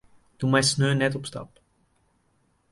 Do meist sneon net op stap.